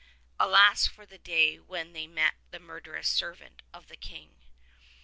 Alas for the day when they met that murderous servant of the King!